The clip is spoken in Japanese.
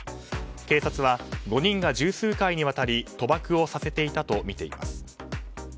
警察は、５人が十数回にわたり賭博をさせていたとみています。